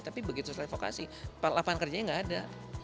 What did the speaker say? tapi begitu selesai vokasi lapangan kerjanya nggak ada